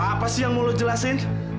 apa sih yang mau lu jelasin